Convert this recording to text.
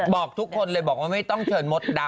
บอกทุกคนเลยบอกว่าไม่ต้องเชิญมดดำ